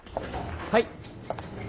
はい。